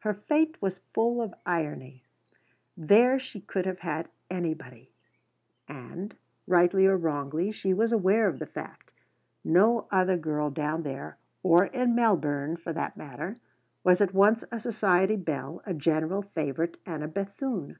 Her fate was full of irony. There she could have had anybody, and, rightly or wrongly, she was aware of the fact. No other girl down there or in Melbourne, for that matter was at once a society belle, a general favourite, and a Bethune.